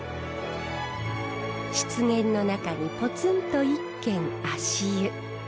湿原の中にぽつんと一軒足湯。